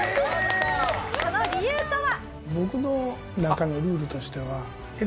「その理由とは？」